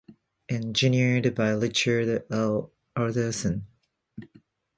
Engineered by Richard L Alderson.